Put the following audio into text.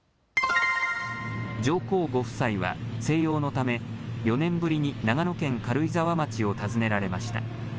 上皇ご夫妻は静養のため４年ぶりに長野県軽井沢町を訪ねられました。